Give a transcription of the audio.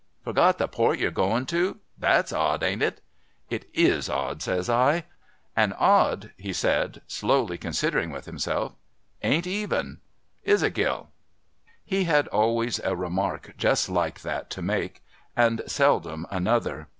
• Forgot the port you're going to ? That's odd, ain't it ?'' It is odd,' says I. 'And odd,' he said, slowly considering with himself, 'ain't even. Is it, Gill ?' He had always a remark just like that to make, and seldom another.